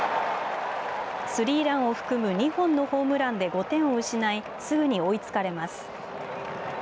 スリーランを含む２本のホームランで５点を失いすぐに追いつかれます。